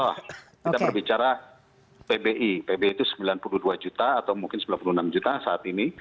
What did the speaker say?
kita berbicara pbi pbi itu sembilan puluh dua juta atau mungkin sembilan puluh enam juta saat ini